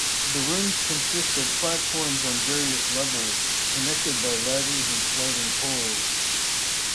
The rooms consist of platforms on various levels, connected by ladders and sliding poles.